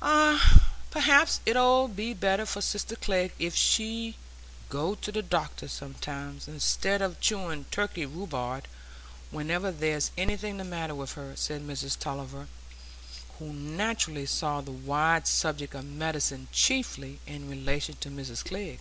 "Ah, perhaps it 'ud be better for sister Glegg if she'd go to the doctor sometimes, instead o' chewing Turkey rhubarb whenever there's anything the matter with her," said Mrs Tulliver, who naturally saw the wide subject of medicine chiefly in relation to Mrs Glegg.